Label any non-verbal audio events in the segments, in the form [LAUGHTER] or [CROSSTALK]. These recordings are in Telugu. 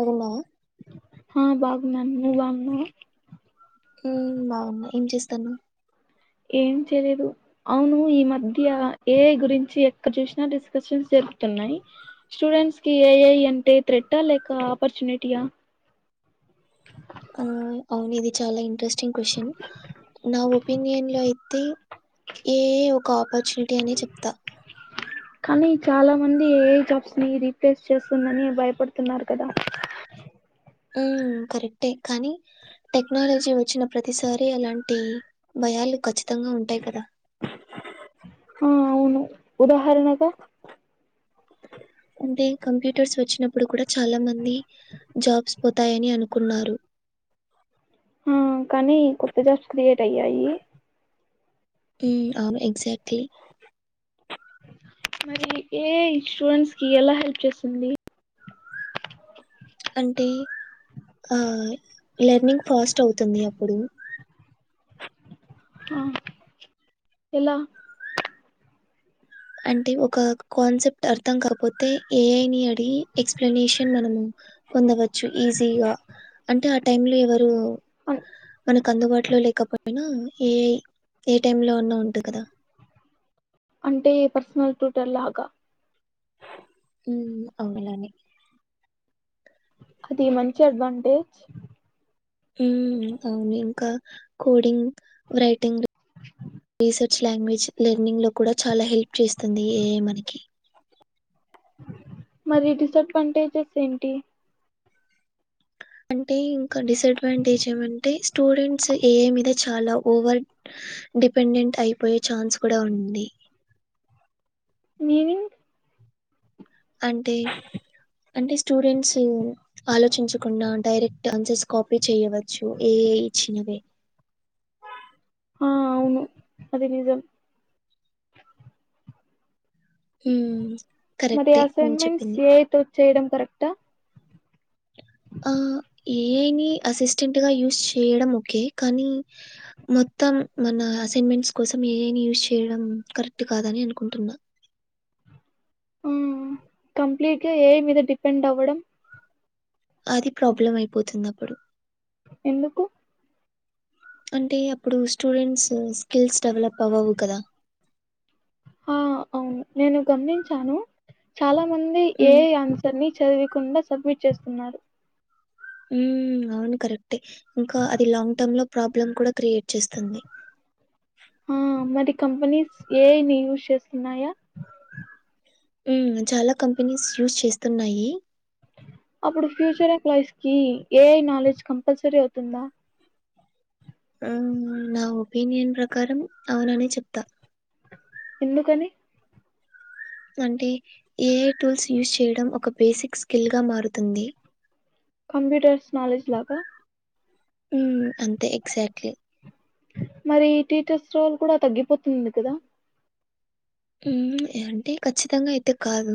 అవునా ఆ బాగున్నాను నువ్వు బాగున్నావా ఉ బాగున్నా ఏం చేస్తాన్నావ్ ఏం చేలేదు అవును ఈ మధ్య ఏఐ గురించి ఎక్కడ చూసినా డిస్కషన్స్ జర్ తున్నాయి స్టూడెంట్స్ కి ఏఐ అంటే థ్రెట్టా లేక ఆపర్చునిటీయా. ఆ అవును ఇది చాలా ఇంట్రెస్ట్ ఇంటరెస్టింగ్ కొషన్ నా ఒపీనియన్ లో అయితే ఏఐ ఒక ఆపర్చునిటీ అని చెప్తా కానీ చాలా మంది ఏఐ జాబ్స్ ని రీప్లేస్ చేస్తుందని భయపడుతున్నారు కదా. ఉ కరెక్టే కానీ టెక్నాలజీ వచ్చిన ప్రతిసారి అలాంటి భయాలు ఖచ్చితంగా ఉంటాయి కదా. [INAUDIBLE] ఆ అవును ఉదాహరణగా అంటే కంప్యూటర్స్ వచ్చినప్పుడు కూడా చాలా మంది జాబ్స్ పోతాయని అనుకున్నారు ఆ కానీ కొత్త జాబ్స్ క్రియేట్ అయ్యాయి ఉ అవును ఎక్జాక్ట్లీ మరి ఏఐ స్టూడెంట్స్ కి ఎలా హెల్ప్ చేస్తుంది. అంటే ఆ లెర్నింగ్ ఫాస్ట్ అవుతుంది అప్పుడు ఆ ఎలా అంటే ఒక కాన్సెప్ట్ అర్థం కాకపోతే ఏఐ ని అడ్ గి ఎక్స్ప్లనేషన్ మనము పొందవచ్ చ్చు ఈజీగా అంటే ఆ టైమ్ లో ఎవరు అన్- మన అందుబా ట్లో లేకపోయినా ఏఐ ఏ టైమ్ లో అయినా ఉంటుంది కదా. అంటే పర్సనల్ టుటర్ లాగా ఉ అవులానే అది మంచి అడ్వాంటేజ్ ఉ అవును ఇంకా coding writing reset language learning లో కూడా చాలా హెల్ప్ చేస్తుంది ఏఐ మనకి. మరి డిసడ్వాంటేజెస్ ఏంటి [INAUDIBLE] అంటే ఇంకా డిసడ్వాంటేజ్ ఏమంటే స్టూడెంట్స్ ఏఐ మీద చాలా ఓవర్ డిపెండెంట్ అయిపోయే ఛాన్స్ కూడా ఉంది మీనింగ్ అంటే అంటే స్టూడెంట్స్ ఆలోచించకుండా డైరెక్ట్ ఆన్సర్స్ కాపీ చేయవచ్చు ఏ ఐ ఇచ్చినవే ఆ అవును అది నిజం హ్మ్. మరి కరెక్టే నువ్వు అసైన్మెంట్స్ చెప్పింది. ఏ ఐ తో చేయడం కరెక్టా ఆ ఏ ఐ ని అసిస్టెంట్ గా యూస్ చేయడం ఓకే కానీ మొత్తం మన అసైన్మెంట్స్ కోసం ఏ ఐ ని యూజ్ చేయడం కరెక్ట్ కాదని అనుకుంటున్నా ఆ కంప్లీట్గా ఏ ఐ మీద డిపెండ్ అవ్వడం అది ప్రాబ్లం అయిపోతుంది అప్పుడు ఎందుకు అంటే అప్పుడు స్టూడెంట్స్ స్కిల్స్ డెవలప్ అవ్వవు కదా ఆ అవును నేను గమనించాను చాలా మంది ఏ హ్మ్. ఐ ఆన్సర్ ని చదివి కుండా సబ్మిట్ చేస్తున్నారు ఉ అవును కరెక్టే ఇంకా అది లాంగ్ టర్మ్ లో ప్రాబ్లమ్ కూడా క్రియేట్ చేస్తుంది ఆ మరి కంపెనీస్ ఏ ఐ ని యూస్ చేస్తున్నాయా ఉ చాలా కంపెనీస్ యూస్ చేస్తున్నాయి అప్పుడు ఫ్యూచర్ ఎంప్లాయిస్ కి ఏ ఐ నాలెడ్జ్ కంపల్సరీ అవుతుందా ఆ నా ఒపీనియన్ ప్రకారం అవుననే చెప్తా ఎందుకని అంటే ఏ ఐ టూల్స్ యూజ్ చేయడం ఒక బేసిక్ స్కిల్ గా మారుతుంది కంప్యూటర్స్ నాలెడ్జ్ లాగా ఉ అంతే ఎక్జాక్ట్లీ మరి టీచర్స్ రోల్ కూడా తగ్గిపోతుంది కదా ఉ అంటే ఖచ్చితంగా అయితే కాదు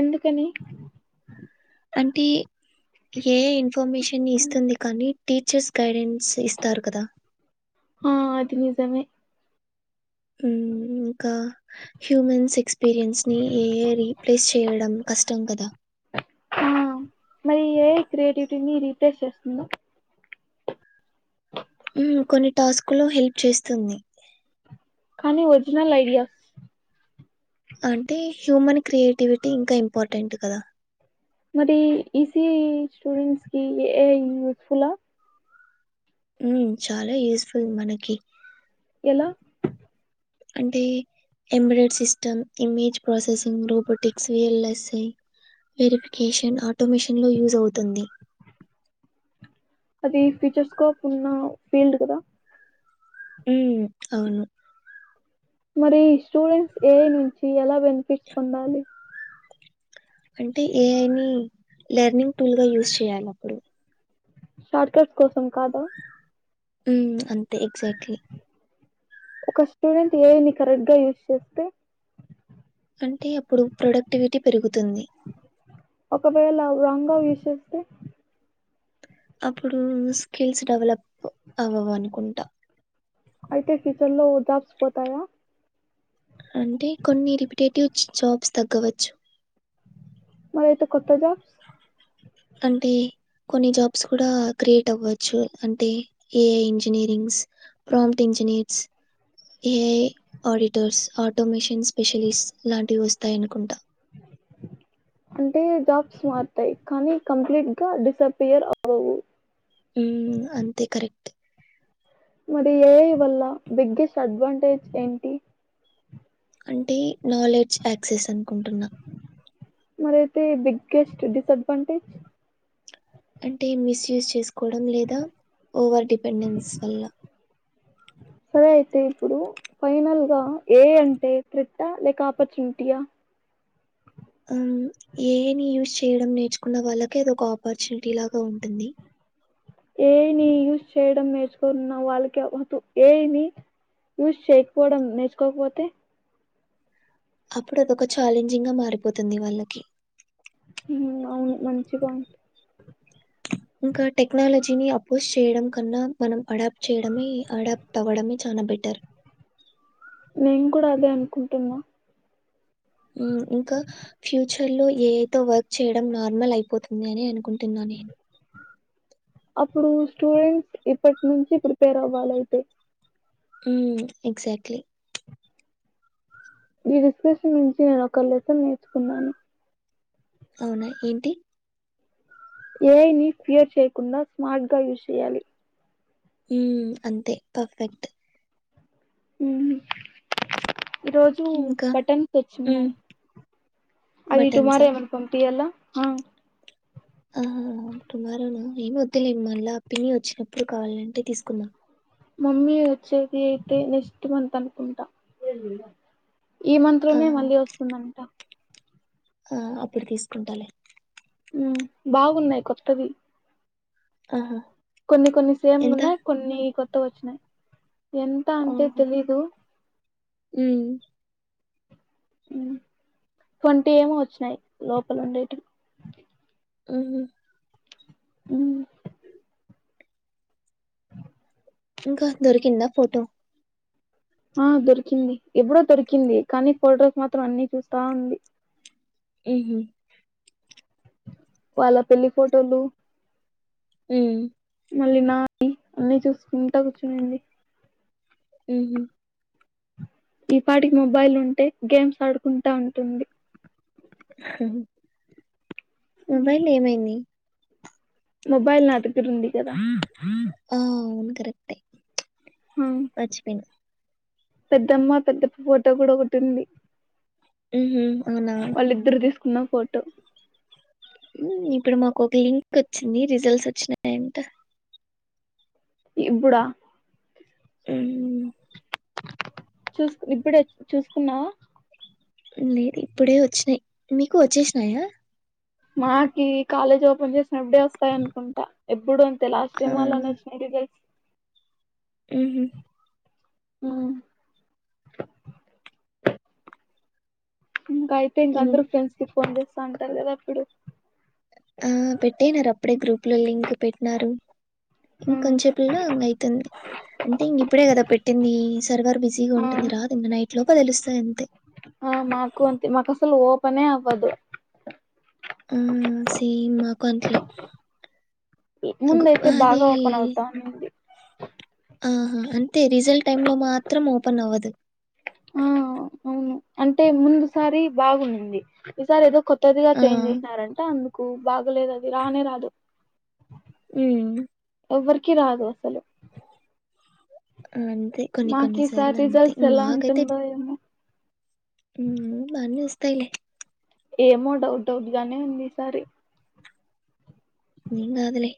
ఎందుకని అంటే ఏ ఐ ఇన్ఫర్మేషన్ని ఇస్తుంది కానీ టీచర్స్ గైడెన్స్ ఇస్తారు కదా హ అది నిజమే ఉ ఇంకా హ్యూమన్స్ ఎక్స్పీరియన్స్ ని ఏ ఐ రీప్లేస్ చేయడం కష్టం కదా ఆ మరి ఏ ఐ క్రియేటివిటిని రీప్లేస్ చేస్తుందా ఉ కొన్ని టాస్కుల్లో హెల్ప్ చేస్తుంది కానీ ఒరిజినల్ ఐడియాస్ అంటే హ్యూమన్ క్రియేటివిటి ఇంకా ఇంపార్టెంట్ కదా మరి ఈ సీ ఈ స్టూడెంట్స్ కి ఏ ఐ యూస్ ఫుల్ల ఉ చాలా యూస్ఫుల్ మనకి ఎలా అంటే embedded system image processing robotics VLSI verification automation లో యూజ్ అవుతుంది అది ఫీచర్స్కోప్ ఉన్న ఫీల్డ్ కదా ఉ అవును మరి స్టూడెంట్స్ ఏ నుంచి ఎలా బెనిఫిట్స్ పొందాలి అంటే ఏఐని లెర్నింగ్ టూల్ గా యూస్్ చేయాలి అప్పుడు షార్ట్కట్ కోసం కాదా హమ్ అంతే ఎగ్జాక్ట్లీ ఒక స్టూడెంట్ ఏని కరెక్ట్గా యూస్ చేస్తే అంటే అప్పుడు ప్రొడక్టివిటీ పెరుగుతుంది ఒకవేళ రాంగ్ గా యూస్ చేస్తే అప్పుడు స్కిల్స్ డెవలప్ అవ్వవు అనుకుంటా అయితే ఫ్యచర్ లో జాబ్స్ పోతాయా అంటే కొన్ని రరిపిటేటివ్ జాబ్స్ తగ్గవచ్చు మరి ఏయితే కొత్త జాబ్స్ అంటే కొన్ని జాబ్స్ కూడా క్రియేట్ అవ్వచ్చు అంటే AI engineerings prompt engineers AI auditors automation specialists లాంటివి వస్తాయనుకుంటా అంటే జాబ్స్ మారతాయి కానీ కంప్లీట్ గా డిసపీయర్ అవవు ఉ అంతే కరెక్ట్ మరి ఏఐ వల్ల బిగ్గెస్ట్ అడ్వాంటేజ్ ఏంటి అంటే నాలెడ్జ్ యాక్సెస్ అనుకుంటున్నా మరియితే బిగ్గెస్ట్ డిసడ్వాన్ంటేజ్ అంటే మిస్యూస్ చేసుకోవడం లేదా ఓవర్ డిపెండెన్స్ వల్ల సరే అయితే ఇప్పుడు ఫైనల్ గా ఏ అంటే క్రిట్ లేక ఆపర్చునిటీయా ఆ ఏని యూజ్ చేయడం నేర్చుకున్న వాళ్ళకే అది ఒక ఆపర్చునిటీ లాగా ఉంటుంది ఏయిని యూజ చేయడం నేర్చుకుంటున్నా వాళ్ళకి ఏయిని యూస్ చేయకపోవడం నేర్చుకోకపోతే అప్పుడు అదొక ఛాలెంజింగ్ గా మారిపోతుంది వాళ్ళకి అవును మంచి పాయింట్ ఇంకా టెక్నాలజీని అపోస్్ చేయడం కన్నా మనం అడాప్ట్ చేయడమే అడాప్ట్ అవ్వడమే చాల బెటర్ నేను కూడా అదే అనుకుంటున్నా ఇంకా ఫ్యూచర్ లో ఏద వర్క్ చేయడం నార్మల్ అయిపోతుంది అని అనుకుంటున్నాను నేను అప్పుడు స్టూడెంట్స్ ఇప్పటి నుంచి ప్రిపేర్ అవ్వాలయితే హమ్ ఎక్జాక్ట్లీ ఈ డిస్క్రిప్షన్ నుంచి నేను ఒక లెసన్ నేర్చుకున్నాను అవునా ఏంటి ఏఐని ఫియర్ చేయకుండా స్మార్ట్గా యూజ్ చేయాలి ఉ అంతే పర్ఫెక్ట్ అ ఈ రోజు ఇంకా? పటన్స్ హ్మ్. వచ్చిన్నాయి అవి టుమారే బటన్సా? ఏమనా పంపియల్లా ఆ ఆ టుమారోనా ఏం వద్దులేం మళ్ళా పిన్ని వచ్చినప్పుడు కావాలంటే తీస్కుందాం. మమ్మీ వచ్చేది అయితే నెక్స్ట్ మంత్ అనుకుంట ఈ మంత్లోనే ఆహా! మళ్ళీ వస్తుందంట. ఆ అప్పుడు తీస్కుంటాలె. మ్ బాగున్నయి కొత్తవి అహా కొన్ని కొన్ని సేమ్ ఉన్నాయి కొన్ని కొత్తవ్ వచ్చినయి ఎంత అంటే ఆహా! తెలీదు. హ్మ్. మ్ ట్వంటీ ఏమో వచ్చినయి లోపలుండేటి ఉ హ్ మ్ ఇంకా దొరికిందా ఫోటో ఆ దొరికింది. ఎప్పుడో దొరికింది కానీ ఫొటోస్ మాత్రం అన్ని చూస్తా ఉంది. మ్ హ్ వాళ్ళ పెళ్లి ఫోటోలు మ్ మళ్ళీ నాయి అన్నీ చూసుకుంటా కూర్చునింది. మ్ ఈ పాటికి మొబైల్ ఉంటే గేమ్స్ ఆడుకుంటా ఉంటుంది. మొబైల్ ఏమైంది? మొబైల్ నా ద అవున్ కరెక్టే ఆ మర్చిపోయిన పెద్దమ్మ పెద్దప్ ఫోటో కూడా ఒకటుంది. మ్ హ్ అవునా కున్న ఫోటో ఇప్పుడు మాక్ ఒక లింక్ వచ్చింది రిజల్ట్స్ వచ్చినాయంట. ఇప్పుడ? మ్ చూస్ ఇప్పుడే చూస్కున్నావా? లేదు ఇప్పుడే వచ్చినయి మీకు వచ్చేసినాయా? మాకి కాలేజ్ ఓపెన్ చేసినప్పుడే వస్తాయనుకుంట ఎప్పుడు టే లాస్ట్ టైమ్ అలానే వచ్చిన రిజల్ట్స్ మ్ హ్ ఆ ఇంకా అయితే ఇంక ఇం అందరు ఫ్రెండ్స్కి ఫోన్ చేస్తా ఉంటారు కదా అప్పుడు ఆ పెట్టినార్ అప్పుడే గ్రూప్లో లింక్ పెట్టినారు. ఇంకొన్ చేపుల్లో అయితుంది. అంటే ఇంక ఇప్పుడే కదా పెట్టిందీ సర్వర్ ఆ బిజీగుంటుంది రాదు ఇంకా నైట్లోప తెలుస్తదంతే ఆ మాకు అంతే మాకసల్ ఓపనే అవ్వదు. ఆ సేమ్ మాకు అంతే గు ముందయితే ఆదీ బాగా ఓపెన్ అవుతా ఉంది ఆహా అంతే రిజల్ట్ టైమ్లో మాత్రం ఓపెన్ అవ్వదు. ఆ అవును అంటే ముందుసారి బాగుంనుంది. ఈసారి ఏదో కొత్తదిగ ఆ చేంజ్ చేసినారంట అందు కో బాగలేదు అది రానే రాదు హ్మ్ ఎవ్వరికి రాదు అసలు అంతే కొన్ని మాకు కొన్ని ఈసారి సార్లు అంతే రిజల్ట్స్ ఎలా మాకైతే ఉంటుందో ఏమో ఉ బానే వస్తాయిలే ఏమో డౌట్ డౌట్ గానే ఉంది ఈ సారి ఎం కాదులే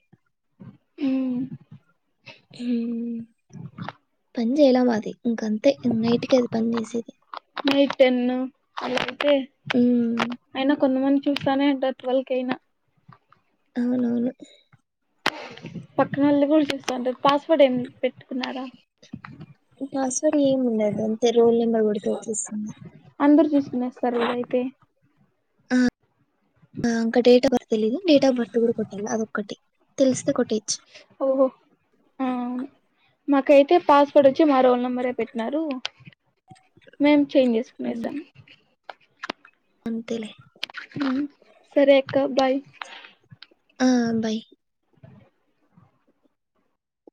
ఇహ్మ్ ఇహ్మ్ పని చేయలా మాది ఇంకంతే నైట్కే అది పని చేసేది నైట్ టెన్ అలా అయితే హ్మ్. అయినా కొంతమంది చూస్తానే ఉంటారు ట్వల్ కేయినా అవునవును పక్కన వాళ్ళ కూడా చూస్తుంటారు పాస్వర్డ్ ఏం పెట్టుకున్నారా. పాస్వర్డ్ ఏం ఉండదు అంతే రోల్ నెంబర్ కూడా అందరు చూసుకునేస్తారు కద అయితే ఆ అంకా డేట్ ఆఫ్ బర్త్ తెదు డేట్ ఆఫ్ బర్త్ అ కూడా కొట్టాలి అదొక్కటి తెలిస్తే కొట్టెయొచ్చు ఓహో ఆ అవును మాకైతే పాస్పోర్ట్ వచ్చి మరోనా నెంబరే పెట్టినారు మేం చేంజ్ చేసుకునేసాం. అంతలే హ్మ్ సరే అక్క బాయ్ ఆ బాయ్